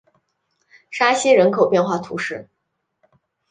沙西人口变化图示